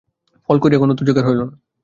ফস করিয়া কোনো উত্তর জোগাইল না।